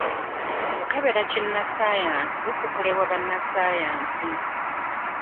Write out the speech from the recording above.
Okukebera kinnassaayansi kukolebwa bannassaayansi.